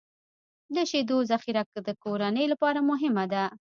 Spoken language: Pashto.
د شیدو ذخیره د کورنۍ لپاره مهمه ده.